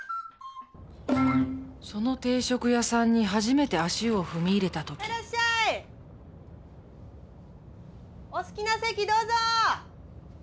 その定食屋さんに初めて足を踏み入れた時お好きな席どうぞ！